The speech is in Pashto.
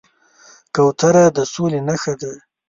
کوتره د سولې نښه ده.